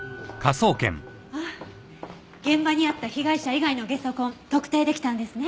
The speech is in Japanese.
ああ現場にあった被害者以外のゲソ痕特定出来たんですね。